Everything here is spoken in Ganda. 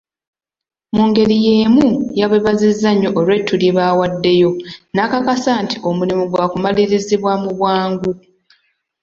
Mu ngeri yeemu, yabeebazizza nnyo olw'ettu lye baawaddeyo n'abakakasa nti omulimu gwakumalirizibwa mu bwangu.